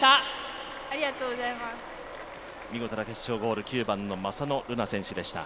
見事な決勝ゴール９番の正野瑠菜選手でした。